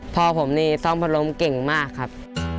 พ่อผมนี่ซ่อมพัดลมเก่งมากครับ